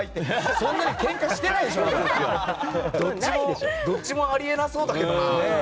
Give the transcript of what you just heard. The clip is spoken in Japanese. そんなにケンカしてないでしょ、まだ。どっちもあり得なそうだけどな。